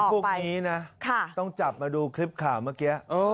พวกนี้นะต้องจับมาดูคลิปข่าวเมื่อกี้